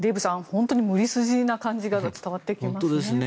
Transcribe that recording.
本当に無理筋な感じが伝わってきますね。